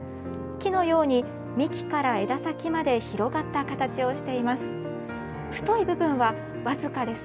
木のように幹から枝先まで広がった形をしています。